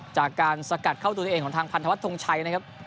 จากการสกัดเข้าตัวเองของทางพันธวัฒนทงชัยนะครับ